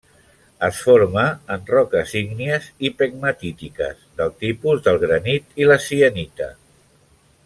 Es forma en roques ígnies i pegmatítiques, del tipus del granit i la sienita.